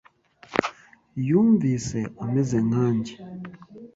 Yumvise ameze nkanjye.